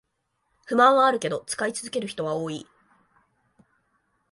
不満はあるけど使い続ける人は多い